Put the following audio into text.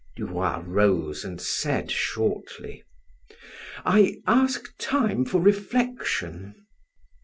Du Roy rose and said shortly: "I ask time for reflection."